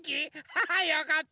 ハハよかった。